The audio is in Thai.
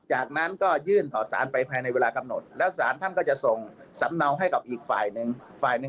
จากนั้นก็ยื่นขอสารไปภายในเวลาคำหนดแล้วสารท่านก็จะส่งสำนองให้กับอีกฝ่ายนึง